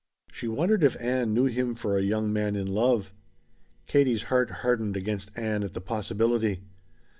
She wondered if Ann knew him for a young man in love. Katie's heart hardened against Ann at the possibility.